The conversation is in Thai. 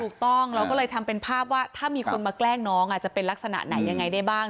ถูกต้องเราก็เลยทำเป็นภาพว่าถ้ามีคนมาแกล้งน้องจะเป็นลักษณะไหนยังไงได้บ้าง